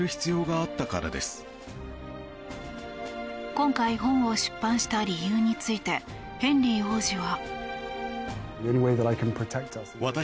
今回、本を出版した理由についてヘンリー王子は。